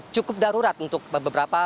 cukup darurat untuk beberapa